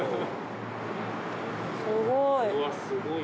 すごい！